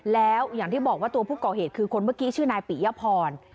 แล้วอย่างที่บอกว่าตัวผู้ก่อเหตุคือคนเมื่อกี้ชื่อนายปิยพร